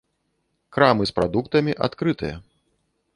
Крамы з прадуктамі адкрытыя.